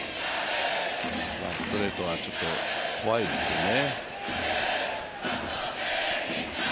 ストレートはちょっと怖いですよね。